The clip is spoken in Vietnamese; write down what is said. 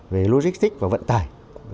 về logistic và vận tải